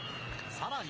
さらに。